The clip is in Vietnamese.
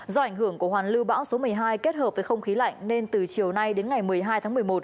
do ảnh hưởng của hoàn lưu bão số một mươi hai kết hợp với không khí lạnh nên từ chiều nay đến ngày một mươi hai tháng một mươi một